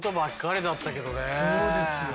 そうですよね。